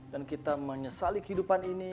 dan kita menyesali kehidupan ini